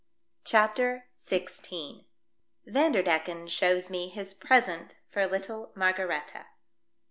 CHAPTER XVI. VANDERDECKEN SHOWS ME HIS PRESENT FOR LITTLE MARGARETHA.